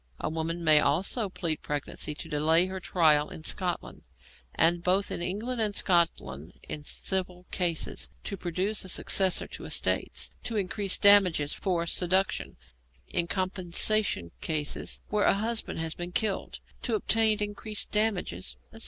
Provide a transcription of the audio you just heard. A woman may also plead pregnancy to delay her trial in Scotland, and both in England and Scotland, in civil cases, to produce a successor to estates, to increase damages for seduction, in compensation cases where a husband has been killed, to obtain increased damages, etc.